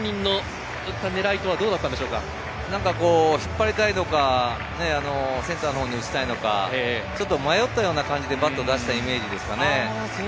引っ張りたいのか、センターのほうに打ちたいのか、迷ったような感じでバットを出したイメージですね。